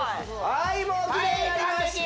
はいもうキレイになりました